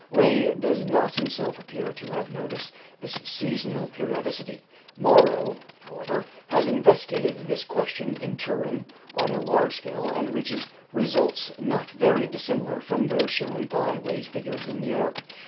Wey does not himself appear to have noticed this seasonal periodicity. Marro, however, has investigated this question in Turin on a large scale and reaches results not very dissimilar from those shown by Wey's figures in New York.